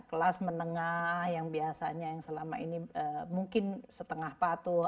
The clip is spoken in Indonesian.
kelas menengah yang biasanya yang selama ini mungkin setengah patuh